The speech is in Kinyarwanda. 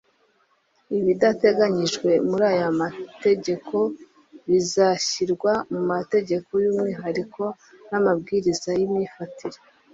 ibidateganyijwe muri aya mategeko bizashyirwa mu mategeko y'umwihariko n'amabwiriza y'imyifatire